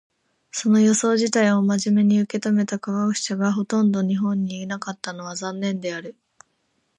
その予想自体を真面目に受け止めた科学者がほとんど日本にいなかったのは残念である。